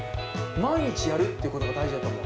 毎日やるってことが大事だと思う。